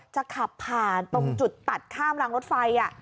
จะขับผ่านตรงจุดตัดข้ามรางรถไฟ